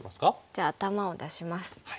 じゃあ頭を出します。